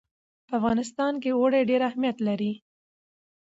په افغانستان کې اوړي ډېر اهمیت لري.